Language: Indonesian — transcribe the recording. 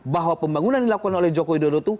bahwa pembangunan dilakukan oleh joko widodo itu